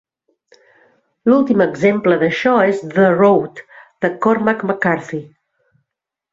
L'últim exemple d'això és "The Road", de Cormac McCarthy.